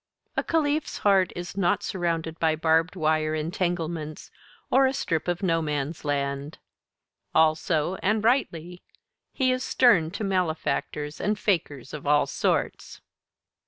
A Caliph's heart is not surrounded by barbed wire entanglements or a strip of No Man's Land. Also, and rightly, he is stern to malefactors and fakers of all sorts.